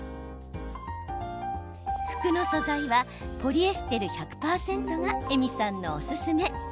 服の素材はポリエステル１００％がＥｍｉさんのおすすめ。